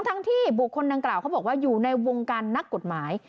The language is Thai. ทั้งที่บุคคลดังกล่าวเขาบอกว่าอยู่ในวงการนักกฎหมาย